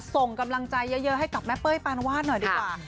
ส่งกำลังใจเยอะให้กับแม่เป้ยปานวาดหน่อยดีกว่า